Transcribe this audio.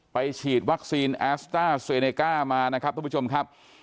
ฉีดวัคซีนแอสต้าเซเนก้ามานะครับทุกผู้ชมครับ